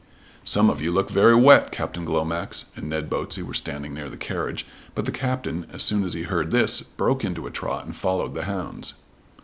"Some of you look very wet." Captain Glomax and Ned Botsey were standing near the carriage; but the Captain as soon as he heard this, broke into a trot and followed the hounds.